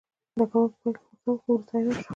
ډګروال په پیل کې غوسه و خو وروسته حیران شو